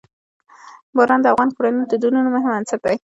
باران د افغان کورنیو د دودونو مهم عنصر دی.